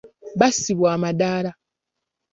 Bassibwa amadaala.